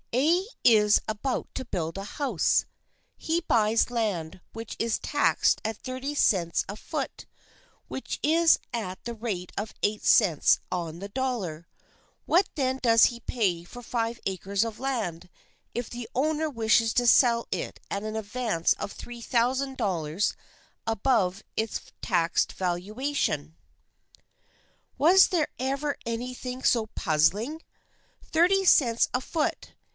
" A is about to build a house. He buys land which is taxed at thirty cents a foot, which is at the rate of eight cents on the dollar. What then does he pay for five acres of land if the owner wishes to sell it at an advance of $3,000 above its taxed valuation ?" Was there ever anything so puzzling ? Thirty cents a foot.